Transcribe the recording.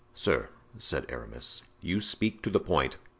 "Sir," said Aramis, "you speak to the point.